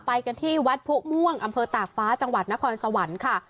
ไปกันที่วัดผู้ม่วงอำเภอตากฟ้าจังหวัดนครสวรรค์ค่ะ